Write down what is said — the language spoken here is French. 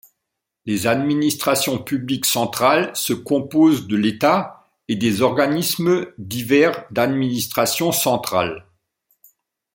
Les administrations publiques centrales se composent de l'État et des organismes divers d'administration centrale.